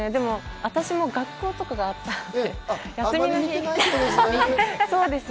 私も学校とかがあったので、休みの日。